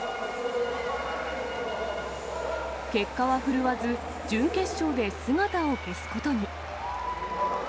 結果は振るわず、準決勝で姿を消すことに。